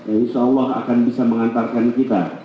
insya allah akan bisa mengantarkan kita